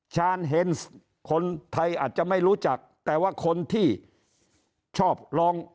ชานเฮนส์คนไทยอาจจะไม่รู้จักแต่ว่าคนที่ชอบลอง